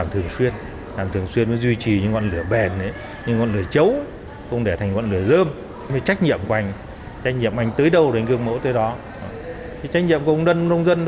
trách nhiệm của công đơn nông dân